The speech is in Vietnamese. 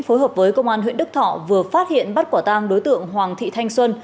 phối hợp với công an huyện đức thọ vừa phát hiện bắt quả tang đối tượng hoàng thị thanh xuân